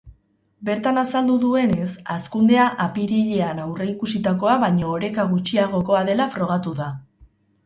Bertan azaldu duenez, hazkundea apirilean aurreikusitakoa baino oreka gutxiagokoa dela frogatu da.